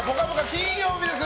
金曜日です。